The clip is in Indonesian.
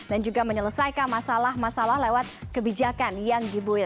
dan juga menyelesaikan masalah masalah lewat kebijakan yang dibuatnya